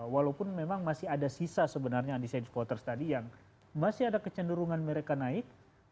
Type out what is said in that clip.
walaupun memang masih ada sisa sebenarnya undecided voters tadi yang masih ada kecenderungan mereka naik